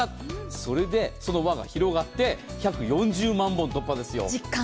それでその輪が広がって１４０万本突破ですよ。